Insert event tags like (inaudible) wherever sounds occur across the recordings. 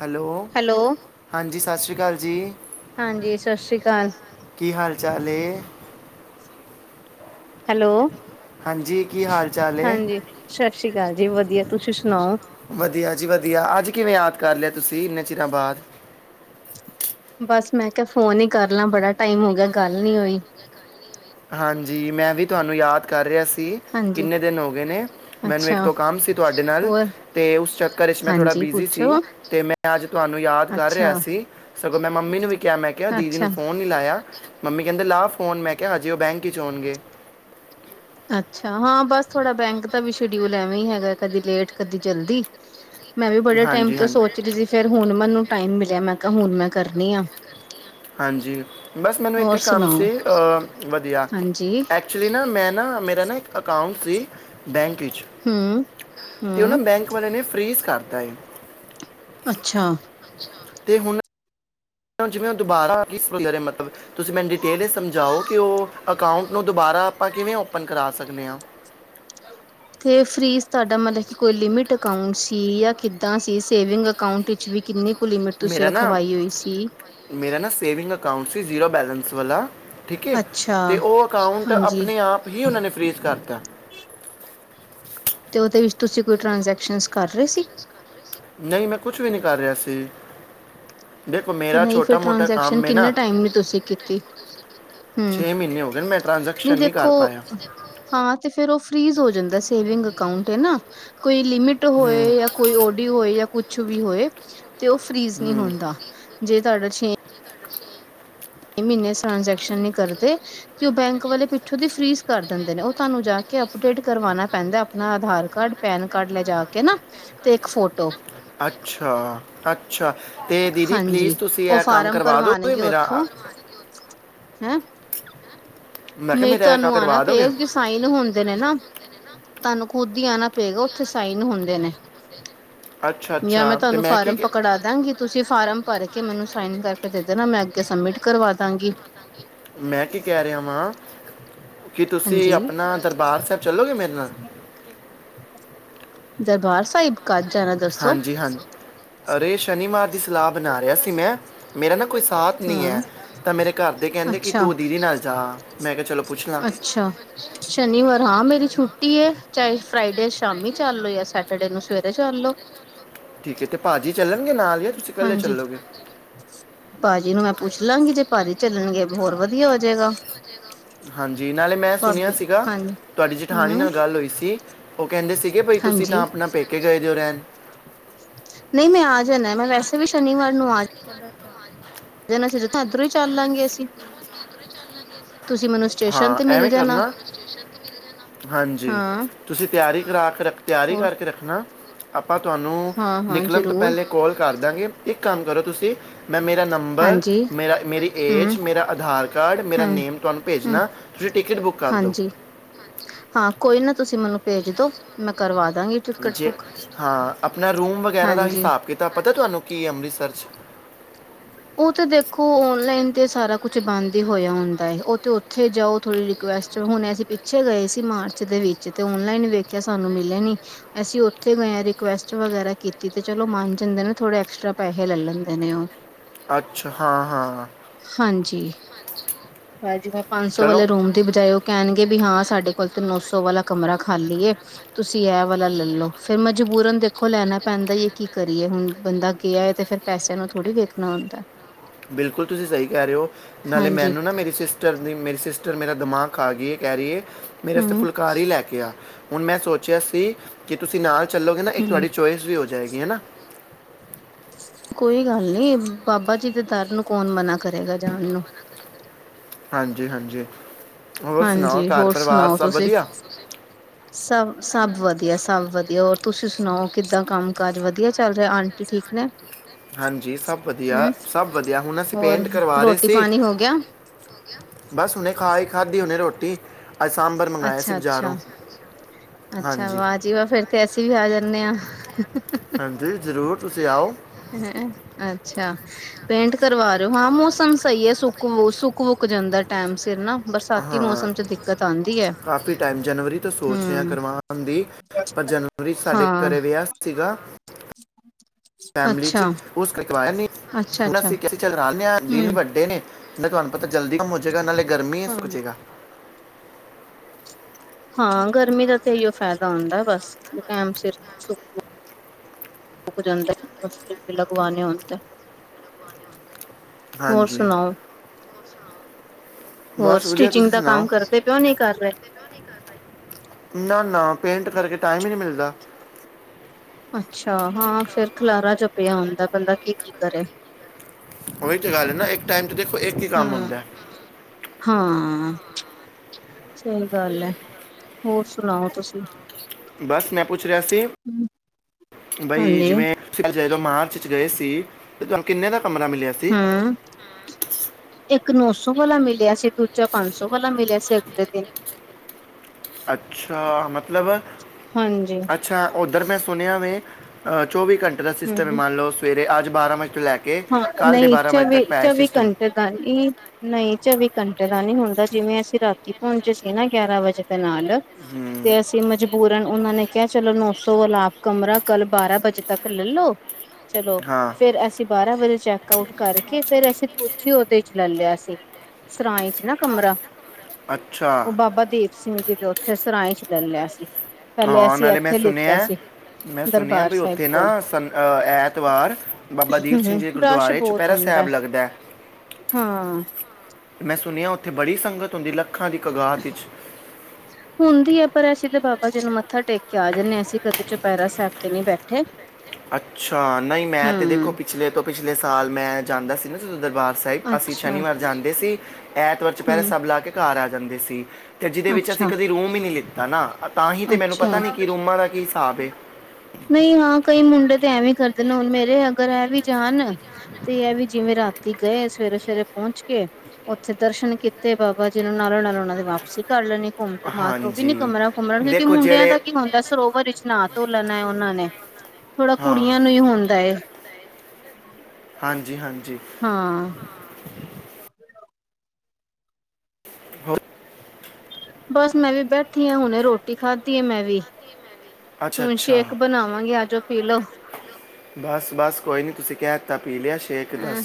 Hello hello ਹਾਂਜੀ ਸਤਿ ਸ਼੍ਰੀ ਅਕਾਲ ਜੀ। ਹਾਂਜੀ ਸਤਿ ਸ੍ਰੀ ਅਕਾਲ ਕੀ ਹਾਲ ਚਾਲ ਹੈ? ਹੈਲੋ ਹਾਂਜੀ ਕੀ ਹਾਲ ਚਾਲ ਏ? ਹਾਂਜੀ ਸਤਿ ਸ੍ਰੀ ਅਕਾਲ ਜੀ ਵਧੀਆ ਤੁਸੀਂ ਸੁਣਾਓ ਵਧੀਆ ਜੀ ਵਧੀਆ ਅੱਜ ਕਿਵੇਂ ਯਾਦ ਕਰ ਲਿਆ। ਤੁਸੀਂ ਇੰਨੇ ਚਿਰਾ ਬਾਅਦ। ਬਸ ਮੈਂ ਕਿਹਾ ਫੋਨ ਹੀ ਕਰ ਲਾਂ ਬੜਾ ਟਾਈਮ ਹੋ ਗਿਆ ਗੱਲ ਨੀ ਹੋਈ। ਹਾਂਜੀ ਮੈਂ ਵੀ ਤੁਹਾਨੂੰ ਯਾਦ ਕਰ ਰਿਹਾ ਸੀ। ਸੀ ਹਾਂਜੀ ਕਿੰਨੇ ਦਿਨ ਹੋ ਗਏ ਨੇ ਮੈਨੂੰ ਇੱਕ ਅੱਛਾ ਦੋ ਕੰਮ ਸੀ ਤੁਹਾਡੇ ਨਾਲ ਹੋਰ ਤੇ ਉਸ ਚੱਕਰ ਵਿੱਚ ਮੈਂ ਥੋੜ੍ਹਾ ਹਾਂਜੀ ਬਿਜ਼ੀ ਸੀ ਪੁੱਛੋ ਤੇ ਮੈਂ ਅੱਜ ਤੁਹਾਨੂੰ ਯਾਦ ਕਰ ਰਿਹਾ ਅੱਛਾ ਸੀ ਸਗੋਂ ਮੈਂ ਮੰਮੀ ਨੂੰ ਵੀ ਕਿਹਾ ਮੈਂ ਕਿਹਾ ਦੀਦੀ ਅੱਛਾ ਨੂੰ ਫ਼ੋਨ ਨਹੀਂ ਲਾਇਆ। ਮੰਮੀ ਕਹਿੰਦੇ ਲਾ ਫੋਨ ਮੈਂ ਕਿਹਾ ਹਜੇ ਉਹ ਬੈਂਕ ਵਿੱਚ ਹੋਣਗੇ। ਅੱਛਾ ਹਾਂ ਬਸ ਥੋੜਾ ਬੈਂਕ ਦਾ ਵੀ ਸ਼ਡਿਊਲ ਐਵੀਂ ਹੈਗਾ ਕਦੀ ਲੇਟ ਕਦੀ ਜਲਦੀ। ਮੈਂ ਵੀ ਬੜੇ ਟਾਈਮ ਹਾਂਜੀ ਤੋਂ ਹਾਂਜੀ ਸੋਚ ਰਹੀ ਸੀ ਫੇਰ ਹੁਣ ਮੈਨੂੰ ਟਾਈਮ ਮਿਲਿਆ ਮੈਂ ਕਿਹਾ ਹੁਣ ਮੈਂ ਕਰਨੀ ਆ ਹਾਂਜੀ ਬਸ ਮੈਨੂੰ ਇੱਕ ਹੋਰ ਕੰਮ ਸੁਣਾਓ ਸੀ ਅ ਵਧੀਆ ਹਾਂਜੀ ਐਕਚੁਲੀ ਨਾ ਮੈਂ ਨਾ ਮੇ ਰਾ ਨਾ ਇੱਕ ਅਕਾਊਂਟ ਸੀ ਬੈਂਕ ਹੂੰ ਤੇ ਉਹਨਾਂ ਹੂੰ ਬੈਂਕ ਵਾਲੇ ਨੇ ਫਰੀਜ਼ ਕਰ ਤਾਂ ਏ ਅੱਛਾ। ਤੇ ਹੁਣ ਜਿਵੇਂ ਦੁਬਾਰਾ (unintelligible) ਤੁਸੀਂ ਮੈਨੂੰ ਡਿਟੇਲ ਸਮਝਾਓ ਕਿ ਉਹ ਅਕਾਊਂਟ ਨੂੰ ਦੁਬਾਰਾ ਆਪਾਂ ਕਿਵੇਂ ਓਪਨ ਕਰਾ ਸਕਦੇ ਹਾਂ। ਤੇ ਫਰਿਜ਼ ਤੁਹਾਡਾ ਮਤਲਬ ਕਿ ਕੋਈ ਲਿਮਿਟ ਅਕਾਊਂਟ ਸੀ ਜਾਂ ਕਿੱਦਾਂ ਸੀ ਸੇਵਿੰਗ ਅਕਾਂਊਟ ਵਿੱਚ ਵੀ ਕਿੰਨੀ ਲਿਮਿਟ ਤੁਸੀਂ ਮੇਰਾ ਨਾ ਰਖਵਾਈ ਹੋਈ ਸੀ। ਮੇਰਾ ਨਾ ਸੇਵਿੰਗ ਅਕਾਊਂਟ ਸੀ ਜ਼ੀਰੋ ਬੈਲੇੈਂਸ ਵਾਲਾ ਠੀਕ ਹੈ ਅੱਛਾ। ਅਤੇ ਉਹ ਅਕਾਊਂਟ ਹਾਂਜੀ ਆਪਣੇ ਆਪ ਹੀ ਉਹਨਾਂ ਨੇ ਫਰੀਜ਼ ਕਰਤਾ (unintelligible) ਅਤੇ ਉਹਦੇ ਵਿੱਚ ਤੁਸੀਂ ਕੋਈ ਟ੍ਰਾਂਜੈਕਸ਼ਨਸ ਕਰ ਰਹੇ ਸੀ ਨਹੀਂ ਮੈਂ ਕੁਛ ਵੀ ਨਹੀਂ ਕਰ ਰਿਹਾ ਸੀ ਤੇ ਨਹੀਂ ਫਿਰ ਟ੍ਰਾਂਜੈਕਸ਼ਨ ਕਿੰਨੇ ਟਾਈਮ ਵਿੱਚ ਤੁਸੀਂ ਕੀਤੀ ਹੂੰ ਨਹੀਂ ਦੇਖੋ ਹਾਂ ਤੇ ਫੇਰ ਉਹ ਫੀਜ਼ ਹੋ ਜਾਂਦਾ ਸੇਵਿੰਗ ਅਕਾਊਂਟ ਹੈ ਨਾ ਕੋਈ ਲਿਮਿਟ ਹੋਏ ਜਾਂ ਕੋਈ ਓਡੀ ਹੋਏ ਜਾਂ ਕੁਛ ਕੁੱਛ ਵੀ ਹੋਏ ਤੇ ਉਹ ਫਰੀਜ਼ ਨਹੀਂ ਹੁੰਦਾ ਜੇ ਤੁਹਾਡੇ ਛੇ ਮਹੀਨੇ ਟ੍ਰਾਂਜੈਕਸ਼ਨ ਨੀ ਕਰਦੇ ਤੇ ਉਹ ਬੈਂਕ ਵਾਲੇ ਪਿੱਛੋਂ ਦੀ ਫੀਸ ਕਰ ਦਿੰਦੇ ਨੇ ਉਹ ਤੁਹਾਨੂੰ ਜਾ ਕੇ ਅਪਡੇਟ ਕਰਵਾਣਾ ਪੈਂਦਾ ਆਪਣਾ ਆਧਾਰ ਕਾਰਡ ਪੈਨ ਕਾਰਡ ਲੈਜ ਕੇ ਨਾ ਤੇ ਇੱਕ ਫੋਟੋ ਅੱਛਾ, ਅੱਛਾ ਤੇ ਦੀਦੀ ਪਲੀਜ਼ ਹਾਂਜੀ ਤੁਸੀਂ ਉਹ ਇਹ ਕੰਮ ਫਾਰਮ ਕਰਵਾ ਦੋਗੇ ਭਰਵਾਣਗੇ ਮੇਰਾ। ਉੱਥੋਂ ਹੈਂ। ਮੈਂ ਕਿਹਾ ਨਹੀਂ ਮੇਰਾ ਇਹ ਕੰਮ ਤੁਹਾਨੂੰ ਆਉਣਾ ਕਰਵਾ ਦੋਗੇ ਪਏਗਾ ਕਿਿ ਸਾਈਨ ਹੁੰਦੇ ਨੇ ਨਾ ਤੁਹਾਨੂੰ ਖੁੱਦ ਹੀ ਆਣਾ ਪਏਗਾ ਉੱਥੇ ਸਾਈਨ ਹੁੰਦੇ ਨੇ ਅੱਛਾ ਜਾਂ ਮੈਂ ਅੱਛਾ ਤੇ ਤੁਹਾਨੂੰ ਕੀ ਫਾਰਮ ਪਕੜਾ ਦਾਂਗੀ ਤੁਸੀਂ ਫਾਰਮ ਭਰ ਕੇ ਮੈਨੂੰ ਸਾਈਨ ਕਰਕੇ ਨਾ ਮੈਂ ਦੇ ਅੱਗੇ ਸਬਮਿਟ ਕਰਵਾ ਦਾਂਗੀ। ਮੈਂ ਕੀ ਕਹਿ ਰਿਹਾ ਵਾਂ ਕੀ ਤੁਸੀਂ ਹਾਂਜੀ ਆਪਣਾ ਦਰਬਾਰ ਸਾਹਿਬ ਚੱਲੋਗੇ ਮੇਰੇ ਨਾਲ ਦਰਬਾਰ ਸਾਹਿਬ। ਕਦ ਜਾਣਾ ਦੱਸੋ ਹਾਂਜੀ ਹਾਂਜੀ ਅਰੇ ਸ਼ਨੀਵਾਰ ਸਲਾਬ ਬਣਾ ਰਿਹਾ ਸੀ ਮੈਂ ਮੇਰੇ ਨਾ ਕੋਈ ਸਾਥ ਨਹੀਂ ਹੂੰ ਹੈ ਤਾਂ ਮੇਰੇ ਘਰ ਦੇ ਕਹਿੰਦੇ ਕਿ ਅੱਛਾ ਤੂੰ ਦੀਦੀ ਨਾਲ ਜਾ, ਮੈਂ ਕਿਹਾ ਚਲੋ। ਪੁੱਛ ਲਾਂ ਅੱਛਾ, ਸ਼ਨੀਵਾਰ ਹਾਂ ਮੇਰੀ ਛੁੱਟੀ ਏ। ਚਾਹੇ ਫਰਾਈਡੇ ਸ਼ਾਮੀ ਚੱਲ ਲੋ ਯਾ ਸੈਟਰਡੇ ਨੂੰ ਸਵੇਰੇ ਚੱਲ ਲੋ। ਠੀਕ ਹੈ ਤੇ ਭਾਜੀ ਚੱਲਣਗੇ ਨਾਲ ਜਾਂ ਤੁਸੀਂ ਇਕੱਲੇ ਹਾਂਜੀ ਚੱਲੋਗੇ ਭਾਜੀ ਨੂੰ ਮੈਂ ਪੁੱਛ ਲਾਂਗੀ ਜੇ ਭਾਜੀ ਚੱਲਣਗੇ, ਹੋਰ ਵਧੀਆ ਹੋ ਜੇਗਾ। ਹਾਂਜੀ ਨਾਲੇ ਮੈਂ ਸੁਣਿਆ ਸੀਗਾ ਹਾਂਜੀ ਤੁਹਾਡੀ ਜੇਠਾਣੀ ਹੂੰ ਨਾਲ ਗੱਲ ਹੋਈ ਸੀ ਉਹ ਕਹਿੰਦੇ ਸੀਗੇ ਬ ਤੁਸੀਂ ਹਾਂਜੀ ਤਾਂ ਆਪਣਾ ਪੇਕੇ ਗਏ ਦਿਓ ਰਹਿਣ। ਨਹੀਂ ਮੈਂ ਆ ਮੈਂ ਵੈਸੇ ਵੀ ਸ਼ਨੀਵਾਰ ਨੂੰ ਆ ਜਾਨਾ ਸੀ ਜ ਤਾਂ ਇੱਧਰੋਂ ਹੀ ਚੱਲ ਲਾਂਗੇ ਅਸੀਂ। ਤੁਸੀਂ ਮੈਨੂੰ ਸਟੇਸ਼ਨ ਹਾਂ ਤੇ ਮਿਲ ਐਵੇਂ ਜਾਣਾ ਕਰਨਾ ਹਾਂਜੀ ਹਾਂ ਤੁਸੀਂ ਤਿਆਰੀ ਕਰਾ ਕੇ ਰ ਤਿਆਰੀ ਹੋਰ ਕਰਕੇ ਰੱਖਣਾ। ਆਪਾਂ ਤੁਹਾਨੂੰ ਹਾਂ-ਹਾਂ ਨਿਕਲਣ ਤੋਂ ਜ਼ਰੂਰ ਪਹਿਲੇ ਕੋਲ ਕਰ ਦਾਂਗੇ ਇੱਕ ਕੰਮ ਕਰੋ ਤੁਸੀਂ ਮੈਂ ਮੇਰਾ ਨੰਬਰ ਹਾਂਜੀ ਮੇਰਾ ਮੇਰੀ ਏਜ ਮੇਰਾ ਆਧਾਰ ਕਾਰਡ ਮੇਰਾ ਨੇਮ ਤੁਹਾਨੂੰ ਹੂੰ ਭੇਜਣਾ ਤੁਸੀਂ ਟਿਕਟ ਬੁੱਕ ਕਰ ਦਿਓ ਹਾਂਜੀ ਹਾਂ ਕੋਈ ਨਾ ਤੁਸੀਂ ਮੈਨੂੰ ਭੇਜ ਦੋ, ਮੈਂ ਕਰਵਾ ਦਾਂਗੀ ਟਿਕਟ ਜੇ, ਬੁੱਕ ਹਾਂ ਆਪਣਾ ਰੂਮ ਵਗੈਰਾ ਦਾ ਹਾਂਜੀ ਹਿਸਾਬ ਕੀਤਾਬ ਪਤਾ ਤੁਹਾਨੂੰ ਕੀ ਏ ਅੰਮ੍ਰਿਤਸਰ ਚ। ਉਹ ਤੇ ਦੇਖੋ ਓਨਲਾਈਨ ਤੇ ਸਾਰਾ ਕੁਛ ਬੰਦ ਹੀ ਹੋਇਆ ਹੁੰਦਾ ਏ। ਉਹ ਤੇ ਓਥੇ ਜਾਓ ਥੋੜੀ ਰਿਕੁਸਟ, ਹੁਣ ਅਸੀਂ ਪਿੱਛੇ ਗਏ ਸੀ ਮਾਰਚ ਦੇ ਵਿਚ ਤੇ ਓਨਲਾਈਨ ਵੇਖਿਆ ਸਾਨੂ ਮਿਲੇ ਨੀ, ਅਸੀਂ ਓਥੇ ਗਏ ਆ ਰਿਕੁਐਸਟ ਵਗੈਰਾ ਕੀਤੀ ਤੇ ਚਲੋ ਮੰਨ ਜਾਂਦੇ ਨੇ ਥੋੜੇ ਐਕਸਟਰਾ ਪੈਹੇ ਲੈ ਲੈਂਦੇ ਨੇ ਉਹ। ਅੱਛਾ ਹਾਂ ਹਾਂ ਹਾਂਜੀ, ਭਾਜੀ ਮੈਂ ਪੰਨ ਸੌ ਚਲੋ ਵਾਲੇ ਰੂਮ ਦੀ ਬਜਾਏ ਉਹ ਕਹਿਣਗੇ ਵੀ ਹਾਂ ਸਾਡੇ ਕੋਲ ਤੇ ਨੋ ਸੌ ਵਾਲਾ ਕਮਰਾ ਖਾਲੀ ਏ ਤੁਸੀਂ ਇਹ ਵਾਲਾ ਲੈਲੋ। ਫੇਰ ਮਜਬੂਰਨ ਦੇਖੋ ਲੈਣਾ ਪੈਂਦਾ ਯ ਕੀ ਕਰੀਏ ਹੁਣ ਬੰਦਾ ਗਿਆ ਏ ਤੇ ਫੇਰ ਪੈਸਿਆਂ ਨੂੰ ਥੋੜ੍ਹੀ ਵੇਖਣਾ। ਤਾਂ। ਬਿਲਕੁਲ ਤੁਸੀਂ ਸਹੀ ਕਹਿ ਰਹੇ ਹੋ ਨਾਲੇ ਹਾਂਜੀ ਮੈਨੂੰ ਨਾ ਮੇਰੀ ਸਿਸਟਰ ਦੀ ਮੇਰੀ ਸਿਸ ਸਟਰ ਮੇਰਾ ਦਿਮਾਗ ਖਾ ਗਈ ਏ, ਕਹਿ ਰਹੀ ਏ। ਮੇਰੇ ਅਸਤੇ ਹਮ ਫੁਲਕਾਰੀ ਲੈ ਕੇ ਆ। ਹੁਣ ਮੈਂ ਸੋਚਿਆ ਸੀ ਕਿ ਤੁਸੀਂ ਨਾਲ ਚੱਲੋਗੇ ਨਾ ਇੱਕ ਹਮ ਤੁਹਾਡੀ ਚੁਇਸ ਵੀ ਹੋ ਜਾਏਗੀ, ਹੈਨਾ। ਕੋਈ ਗੱਲ ਨੀ, ਬਾਬਾ ਜੀ ਦੇ ਦਰ ਨੂੰ ਕੌਣ ਮਨਾ ਕਰੇਗਾ ਜਾਣ ਨੂੰ। ਹਾਂਜੀ -ਹਾਂਜੀ। ਹੋਰ ਸੁਣਾਓ ਹਾਂਜੀ, ਘਰ ਹੋਰ ਪਰਿਵਾਰ ਸੁਣਾਓ ਸਭ ਤੁਸੀਂ, ਵਧੀਆ ਸਭ- ਸਭ ਵਧੀਆ, ਸਭ ਵਧੀਆ ਹੋਰ ਤੁਸੀਂ ਸੁਣਾਓ, ਕਿੱਦਾਂ ਕੰਮ ਕਾਜ ਵਧੀਆ ਚੱਲ ਰਿਹਾ? ਆਂਟੀ ਠੀਕ ਨੇ? ਹਾਂਜੀ, ਸਭ ਵਧੀਆ ਹਮ ਸਭ ਵਧੀਆ ਹੁਣ ਅਸੀਂ ਹੋਰ ਪੇਂਟ ਕਰਵਾ ਰਹੇ ਰੋਟੀ ਸੀ। ਪਾਣੀ ਹੋ ਗਿਆ ਬਸ ਹੁਣੇ ਖਾਈ ਖਾਧੀ ਹੁਨੇ ਰੋਟੀ। ਤੇ (inaudible) ਅੱਛਾ- ਅੱਛਾ- ਅੱਛਾ, ਹਾਂਜੀ ਵਾਹ ਜੀ ਵਾਹ, ਫੇਰ ਤੇ ਅਸੀਂ ਵੀ ਆ ਜਾਂਨੇ ਆ। (inaudible) ਹਾਂਜੀ, ਜ਼ਰੂਰ ਤੁਸੀਂ ਆਓ। ਹੈਂ ਅੱਛਾ ਪੇਂਟ ਕਰਵਾ ਰਹੇ ਹੋ। ਹਾਂ ਮੌਸਮ ਸਹੀ ਹੈ ਸੁੱਕ, ਸੁੱਕ -ਵੁਕ ਜਾਂਦਾ ਟੈਮ ਸਿਰ ਨਾ। ਹਾਂ ਬਰਸਾਤੀ ਮੌਸਮ 'ਚ ਦਿੱਕਤ ਆਉਂਦੀ। ਹੈ ਕਾਫੀ ਟਾਈਮ, ਜਨਵਰੀ ਤੋਂ ਸੋਚ ਰਿਹਾ ਹਮ ਕਰਵਾਉਣ ਦੀ। ਪਰ ਜਨਵਰੀ ਚ ਸਾਡੇ ਹਾਂ ਘਰੇ ਵਿਆਹ ਸੀਗਾ। ਫੈਮਿਲੀ ਚ ਅੱਛਾ ਉਸ ਕਰ ਕਰਵਾਆ ਨੀ। ਅੱਛਾ ਅੱਛਾ ਸੀ ਚੱਲ (inaudible) ਦਿਨ ਹਮ ਵੱਡੇ ਨੇ। ਨਾਲੇ ਤੁਹਾਨੂੰ ਪਤਾ ਜਲਦੀ ਕਮ ਹੋਜੇਗਾ। ਨਾਲੇ ਗਰਮੀ ਏ ਹਮ ਸੁੱਕਜੇਗਾ। ਹਾਂ, ਗਰਮੀ ਦਾ ਤੇ ਇਹੀਓ ਫਾਇਦਾ ਹੁੰਦਾ ਬਸ। ਟਐਮ ਸਿਰ ਸੌ ਰੁਕ ਜਾਂਦਾ ਲਗਵਾਨੇ ਹੋਣ ਤਾਂ (unintelligible) ਹੋਰ ਹਾਂਜੀ ਸੁਣਾਓ? ਹੋਰ ਬਸ ਵਧੀਆ ਸਟਿਚਿੰਗ ਤੁਸੀਂ ਦਾ ਸੁਣਾਓ ਕੰਮ ਕਰਦੇ ਪਿਉ ਨਹੀ ਕਰ ਰਹੇ? ਰਹੇ ਨਾ ਨਾ ਪੇਂਟ ਕਰਕੇ ਟਾਈਮ ਹੀ ਨਹੀ ਮਿਲਦਾ। ਅੱਛਾ! ਹਾਂ, ਫੇਰ ਖਿਲਾਰਾ ਜ ਪਿਆ ਹੁੰਦਾ। ਬੰਦਾ ਕੀ-ਕੀ ਕਰੇ। ਉਹੀ ਤਾਂ ਗੱਲ ਹੈ ਨਾ ਇੱਕ ਟਾਈਮ ਤੇ ਦੇਖੋ ਇੱਕ ਹੀ ਕੰਮ ਹਮ, ਹੁੰਦਾ ਹੈ। ਹਾਂ। ਸਹੀ ਗੱਲ ਹੈ। ਹੋਰ ਸੁਣਾਓ ਤੁਸੀਂ? ਬਸ ਮੈਂ ਪੁੱਛ ਰਿਹਾ ਸੀ। ਬਾਈ ਹਾਂਜੀ ਜਿਵੇਂ ਜਦੋਂ ਮਾਰਚ ਚ ਗਏ ਸੀ। ਤੁਹਾਨੂੰ ਕਿੰਨੇ ਦਾ ਕਮਰਾ ਮਿਲਿਆ ਸੀ ਹਮ। ਇੱਕ ਨੌ ਸੌ ਵਾਲਾ ਮਿਲ ਮਿਲਿਆ ਸੀ ਦੂਜਾ ਪੰਜ ਸੌ ਵਾਲਾ ਮਿਲਿਆ ਸੀ ਅਗਲੇ ਦਿਨ। ਅੱਛਾ ਮਤਲਬ ਹਾਂਜੀ ਅੱਛਾ ਉਧਰ ਮੈਂ ਸੁਣਿਆ ਵੇ। ਅਹ ਚੌਵੀ ਘੰਟੇ ਦਾ ਸਿਸਟਮ ਹੂੰ ਇਹ ਮੰਨ ਲਓ ਸਵੇ ਤੇ ਅੱਜ ਬਾਰਾਂ ਵਜ ਹਾਂ ਨਹੀਂ ਚਵੀ--ਚੌਵੀ ਸਿਸਟਮ ਘੰਟੇ ਦਾ ਨਹੀਂ--ਨਹੀਂ ਚੌਵੀ ਘੰਟੇ ਦਾ ਨੀ ਹੁੰਦਾ ਜਿਵੇਂ ਅਸੀਂ। ਰਾਤੀ ਪਹੁੰਚੇ ਸੀ ਨਾ ਗਿਆਰਾਂ ਵਜੇ ਦੇ ਨਾਲ। ਹਮ ਤੇ ਅਸੀਂ ਮਜਬੂਰਨ ਉਹਨਾਂ ਨੇ ਕਿਹਾ ਚਲੋ ਨੋਸੌ ਵਾਲਾ ਕਮਰਾ ਕੱਲ ਬਾਰਾਂ ਵਜੇ ਤੱਕ ਲਲੋ। ਚਲੋ। ਹਾਂ ਫੇਰ ਅਸੀਂ ਬਾਰਾਂ ਵਜੇ ਚੈੱਕ ਆਊਟ ਕਰਕੇ ਫੇਰ ਅਸੀਂ। ਸੀ ਉਹਦੇ 'ਚ ਲੈ ਲਿਆ ਸੀ। ਸਰਾਏ 'ਚ ਨਾ ਕਮਰਾ। ਅੱਛਾ। ਉਹ ਬਾਬਾ ਦੀਪ ਸਿੰਘ ਜੀ ਦੇ ਉੱਥੇ ਸਰਾਏ 'ਚ ਲੈ ਲਿਆ ਸੀ। ਪਹਿਲੇ ਹਾਂ ਅਸੀਂ ਨਾਲੇ ਮੈਂ ਇੱਥੇ ਲਿੱਤਾ ਸੁਣਿਆ, ਸੀ ਮੈਂ ਸੁਣਿਆ ਦਰਬਾਰ ਵੀ ਸਾਹਿਬ ਉੱਥੇ ਨਾ ਕੋਲ ਸੰਨ ਐਤਵਾਰ ਬਾ ਬਾਬਾ ਦੀਪ ਸਿੰਘ ਹਮ ਜੀ ਦੇ ਰਸ਼ ਗੁਰਦੁਆਰੇ ਬਹੁਤ ਚੁਪਹਿਰਾ ਹੁੰਦਾ ਸਾਹਿਬ ਲੱਗਦਾ ਹੈ। ਹਾਂ ਮੈਂ ਸੁਣਿਆ ਉ ਉੱਥੇ ਬੜੀ ਸੰਗਤ ਹੁੰਦੀ, ਲੱਖ ਲੱਖਾਂ ਦੀ ਕਗਾਤ ਵਿੱਚ। ਹੁੰਦੀ ਹੈ ਪਰ ਅਸੀਂ ਤਾਂ ਬਾਬਾ ਜੀ ਨੂੰ ਮੱਥਾ ਟੇਕ ਕੇ ਆ ਜਾਂਦੇ ਹਾਂ। ਅਸੀਂ ਕਦੇ ਚੁਪਹਿਰਾ ਸਾਹਿਬ 'ਤੇ ਨਹੀਂ ਬੈਠੇ। ਅੱਛਾ, ਨਹੀਂ ਮੈਂ ਤੇ ਦੇਖੋ ਹਮ ਪਿਛਲੇ ਤੋਂ ਪਿਛਲੇ ਪਿਛਲੇ ਸਾਲ ਮੈਂ ਜਾਂਦਾ ਸੀ ਨਾ ਜਦੋਂ ਦਰਬਾਰ ਸਾਹਿਬ ਅਸੀਂ ਅੱਛਾ ਸ਼ਨੀਵਾਰ ਜਾਂਦੇ ਸੀ, ਐਤਵਾਰ ਚੁਪਹਿਰੇ ਹਮ ਸਾਹਿਬ ਲਾ ਕੇ ਘਰ ਆ ਜਾਣ ਜਾਂਦੇ ਸੀ। ਤੇ ਜਿਹਦੇ ਵਿੱਚ ਅਸੀਂ ਅੱਛਾ ਕਦੀ ਰੂਮ ਹੀ ਨਹੀਂ ਲਿੱਤਾ ਨਾ ਤਾਂਹੀ ਤੇ ਮੈਨੂੰ ਅੱਛਾ ਪਤਾ ਨਹੀਂ ਕਿ ਰੂਮਾਂ ਦਾ ਕੀ ਹਿਸਾਬ ਹੈ। ਨਹੀਂ ਹਾਂ ਕਈ ਮੁੰਡੇ ਤੇ ਐਂਵੀ ਕਰਦੇ ਨੇ। ਹੁਣ ਮੇਰੇ ਅਗਰ ਇਹ ਵੀ ਚਾਹਣ ਤੇ ਐਂਵੀ ਜਿਵੇਂ ਰਾਤ ਤੇ ਗਏ ਸਵੇਰੇ-ਸਵੇਰੇ ਪਹੁੰਚ ਕੇ ਉੱਥੇ ਦਰਸ਼ਨ ਕੀਤੇ ਬਾਬਾ ਜੀ ਨੂੰ ਨਾਲੋਂ ਨਾਲ ਉਹਨਾਂ ਦੀ ਵਾਪਸੀ ਕਰ ਲੈਣੀ। ਘੁੰਮ ਘੁੰਮਾ ਕੇ ਉਹ ਵੀ ਨੀ ਕਮਰਾ ਘੁੰਮਰਾ ਕਿਉਂਕਿ ਮੁੰਡਿਆਂ ਦਾ ਕੀ ਹੁੰਦਾ ਹੈ ਸਰੋਵਰ ਵਿੱਚ ਨਹਾ ਧੋ ਲੈਣਾ ਐ ਉਹਨਾਂ ਨੇ। ਥੋੜ੍ਹਾ ਹਾਂ ਕੁੜੀਆਂ ਨੂੰ ਹੀ ਹੁੰਦਾ ਏ। (unintelligible) ਹਾਂਜੀ-ਹਾਂਜੀ। ਜੀ? ਹਾਂ ਹਾਂ। ਹੋਰ? ਬੱਸ ਮੈਂ ਵੀ ਬੈਠੀ ਹਾਂ, ਹੁਣੇ ਰੋਟੀ ਖਾਧੀ ਆ ਮੈਂ ਵੀ। ਹੁਣ ਅੱਛਾ-ਅੱਛਾ। ਸ਼ੇਕ ਹੁਣ ਸੇ਼ਕ ਬਣਾਵਾਂਗੇ ਆਜੋ ਪੀ ਬਣਾਵਾਂਗੇ ਲਓ ਆਜੋ ਪੀ ਲੋ। ਬਸ-ਬਸ ਕੋਈ ਨੀ ਤੁਸੀਂ ਕਹਿ ਤਾ ਹੈਂ,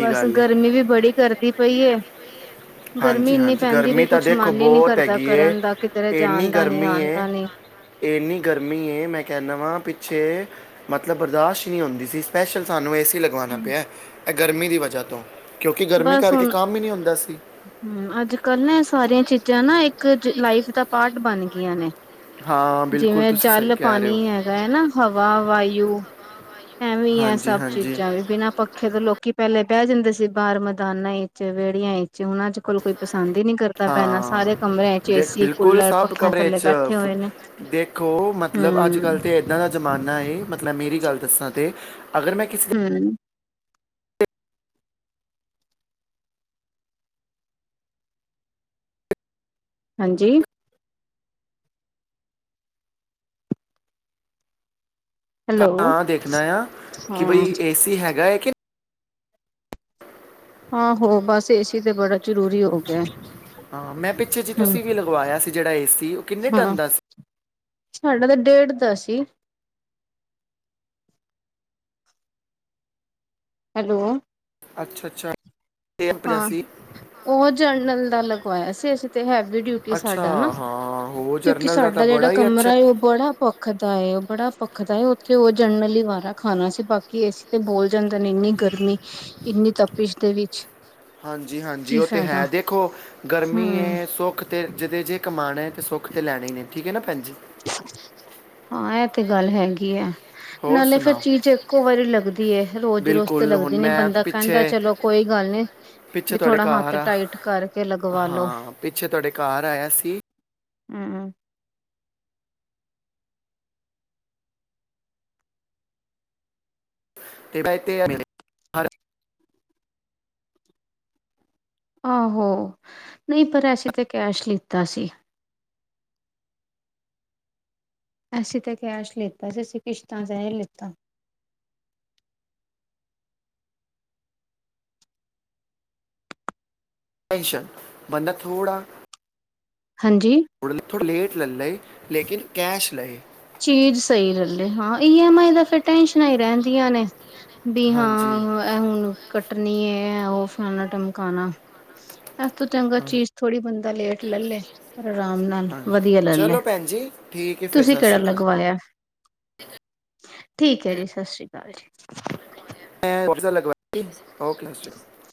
ਬਸ ਹੈ ਗਰਮੀ ਵੀ ਬੜੀ ਕਰਦੀ ਪਈ ਏ। ਬੁਰੇ ਹਾਲ (unintelligible) ਹਾਂਜੀ-ਹਾਂਜੀ, ਗਰਮੀ ਤਾਂ ਦੇਖੋ ਨੀ ਬਹੁਤ ਕਰਦਾ ਹੈਗੀ ਐ ਕਰਨ ਦਾ ਕਿਧਰੇ ਇੰਨੀ ਜਾਣ ਦਾ ਨੀ ਗਰਮੀ ਆਣ ਏ ਦਾ ਨੀ ਇੰਨੀ ਗਰਮੀ ਏ, ਮੈਂ ਕਹਿੰਦਾ ਵਾਂ ਭਈ ਛੇ ਮਤਲਬ ਬਰਦਾਸ਼ਤ ਹੀ ਨਹੀਂ ਹੁੰਦੀ ਸੀ, ਸਪੈਸ਼ਲ ਸਾਨੂੰ ਏ ਸੀ ਲਗਵਾਣਾ ਪਿਆ। ਇਹ ਗਰਮੀ ਦੀ ਵਜ੍ਹਾ ਤੋਂ। ਕਿਉਂਕਿ ਗਰਮੀ ਕਰਕੇ ਕੰਮ ਹੀ ਨਹੀਂ ਹੁੰਦਾ ਸੀ। ਹੂੰ, ਅੱਜ ਕੱਲ ਨਾ ਇਹ ਸਾਰੀ ਇਹ ਚੀਜ਼ਾਂ ਨਾ ਇੱਕ ਲਾਈਫ ਦਾ ਪਾਰਟ ਬਣ ਗਈਆਂ ਨੇ। ਹਾਂ ਬਿਲਕੁਲ ਜਿਵੇਂ ਤੁਸੀਂ ਸਹੀ ਜਲ ਕਹਿ ਰਹੇ ਪਾਣੀ ਹੋ ਹੈਗਾ ਹੈ ਨਾ ਹਵਾ ਵਾਯੂ ਐਵੇ ਵੀ ਹੈ ਹਾਂਜੀ ਸਭ ਹਾਂਜੀ ਚੀਜ਼ਾਂ ਵੀ ਬਿਨਾਂ ਪੱਖੇ ਤੋਂ ਲੋਕੀ ਪਹਿਲੇ ਬਹਿ ਜਾਂਦੇ ਸੀ ਬਾਹਰ ਮੈਦਾਨਾਂ ਚ ਵਿਹੜੀਆਂ ਵਿਚ ਉਹਨਾਂ ਚ ਕੋਲ ਕੋਈ ਪਸ ਹਾਂ ਦੇਖ ਏਸੀ ਬਿਲਕੁਲ ਕੂਲਰ ਸਭ ਪੱਖਿਆਂ ਕਮਰੇ ਥੱਲੇ ਚ ਬੈਠੇ ਹੋਏ ਨੇ ਦੇਖੋ ਮਤਲਬ ਅੱਜ- ਹੂੰ, ਕੱਲ੍ਹ ਤਾਂ ਇੱਦਾਂ ਦਾ ਜ਼ਮਾਨਾ ਏ ਮਤਲਬ ਮੇਰੀ ਗੱਲ ਦੱਸਾਂ ਤੇ ਅਗਰ ਮੈਂ ਕਿਸੇ ਦੇ ਹੂੰ, ਹਾਂਜੀ। ਹੈਲੋ ਹਾਂ ਦੇਖਣਾ ਆ ਕਿ ਹਾਂ, ਬਈ ਏਸੀ ਹੈਗਾ ਏ। ਆਹੋ ਬਸ ਏਸੀ ਤੇ ਬੜਾ ਜ਼ਰੂਰੀ ਹੋ ਗਿਆ ਏ। ਹਾਂ ਮੈਂ ਪਿੱਛੇ ਜੀ ਤੁਸੀਂ ਵੀ ਲਗਵਾਇਆ ਸੀ ਜਿਹੜਾ ਏ ਸੀ ਉਹ ਕਿੰਨੇ ਹਾਂ ਟਨ ਦਾ ਸੀ। ਸਾਡਾ ਤਾਂ ਡੇਟ ਦਾ ਸੀ। ਹੈਲੋ, ਅੱਛਾ -ਅੱਛਾ। ਤੇ ਪੰਜਾ ਹਾਂ ਸੀ ਉਹ ਜਨਰਲ ਦਾ ਲਗਵਾਇਆ ਸੀ ਅਸੀਂ ਤੇ ਹੈਵੀ ਡਿਊਟੀ ਅੱਛਾ ਸਾਡਾ ਨਾ ਹਾਂ ਹੋ ਕਿਉਂਕਿ ਜਰਨਲ ਦਾ ਤਾਂ ਸਾਡਾ ਜਿਹੜਾ ਬੜਾ ਹੀ ਕਮਰਾ ਅੱਛਾ ਉਹ ਬੜਾ ਭੱਖਦਾ ਉਹ ਬੜਾ ਭੱਖ ਦਾ ਉੱਥੇ ਉਹ ਜਨਰਲ ਈ ਵਾਲਾ ਖਾਣਾ ਸੀ ਬਾਕੀ ਏਸੀ ਤੇ ਬੋਲ ਜਾਂਦੇ ਨੇ ਇੰਨੀ ਗਰਮੀ ਇੰਨੀ ਤਪਿਸ਼ ਦੇ ਵਿੱਚ ਹਾਂਜੀ -ਹਾਂਜੀ ਕੀ ਉਹ ਤਾਂ ਫਾਇਦਾ ਹੈ ਦੇਖੋ ਗਰਮੀ ਹੂੰ ਹੈ ਸੁੱਖ ਤੇ ਜਿਦੇ ਜੇ ਕਮਾਣਾ ਹੈ ਤਾਂ ਸੁੱਖ ਤਾਂ ਲੈਣੇ ਹੀ ਨੇ ਠੀਕ ਹੈ ਨਾ ਭੈਣ ਜੀ। (unintelligible) ਹਾਂ ਇਹ ਤੇ ਗੱਲ ਹੈਗੀ ਆ। ਹੋਰ ਨਾਲੇ ਫੇਰ ਸੁਣਾਓ ਚੀਜ਼ ਇੱਕੋ ਵਾਰੀ ਲੱਗਦੀ ਏ ਰੋਜ਼ -ਰੋਜ਼ ਤੇ ਬਿਲਕੁਲ ਹੁਣ ਲੱਗਦੀ ਨੀ ਮੈਂ ਬੰਦਾ ਕਹਿੰਦਾ ਪਿੱਛੇ ਚਲੋ ਕੋਈ ਗੱਲ ਨੀ ਪਿੱਛੇ ਵੀ ਤੁਹਾਡੇ ਥੋੜਾ ਹੱਥ ਘਰ ਆ ਟਾਈਟ ਕਰਕੇ ਲਗਵਾ ਲੋ। ਹਾਂ ਪਿੱਛੇ ਤੁਹਾਡੇ ਘਰ ਆਇਆ ਸੀ ਹੂੰ, ਹੂੰ, (inaudible) ਆਹੋ ਨਹੀਂ ਪਰ ਅਸੀੇ ਤੇ ਕੈਸ਼ ਲਿੱਤਾ ਸੀ। ਅਸੀਂ ਤਾਂ ਕੈਸ਼ ਲਿੱਤਾ ਸੀ, ਅਸੀਂ ਕਿਸ਼ਤਾਂ ਤੇ ਨਹੀਂ ਲਿੱਤਾ। ਟੈਨਸ਼ਨ ਬੰਦਾ ਥੋੜ੍ਹਾ ਹਾਂਜੀ, ਥੋ ਥੋੜਾ ਲੇਟ ਲੱ ਲਈ। ਚੀਜ਼ ਸਹੀ ਲੱਲੇ ਹਾਂ ਈ ਐਮ ਆਈ ਦਾ ਫਿਰ ਟੈਨਸ਼ਨਾਂ ਹੀ ਰਹਿੰਦੀਆਂ ਨੇ ਵੀ ਹਾਂ ਹਾਂਜੀ ਇਹ ਹੁਣ ਕੱ ਕੱਟਨੀ ਹੈ ਉਹ ਫਲਾਣਾ ਟਮਕਾਉਣਾ ਇਸ ਤੋਂ ਚੰਗਾ ਹਾਂ, ਚੀਜ਼ ਥੋੜ੍ਹੀ ਬੰਦਾ ਲੇਟ ਲੈ ਲੈ ਪਰ ਆਰਾਮ ਨਾਲ ਹਾਂਜੀ ਵਧੀਆ ਲੈ ਲੈ ਚਲੋ ਭੈਣ ਜੀ ਠੀਕ ਹੈ ਫਿਰ ਤੁਸੀਂ ਸਤਿ ਕਿਹੜਾ ਸ਼੍ਰੀ ਅਕਾਲ ਲਗਵਾਇਆ ਠੀਕ ਹੈ ਜੀ ਸਤਿ ਸ੍ਰੀ ਅਕਾਲ ਜੀ ਮੈਂ ੳਸ ਦਾ ਲਗਵਾ ਸਤਿ ਸ਼੍ਰੀ ਅਕਾਲ